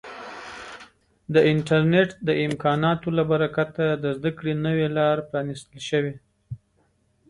د انټرنیټ د امکاناتو له برکته د زده کړې نوې لارې پرانیستل شوي.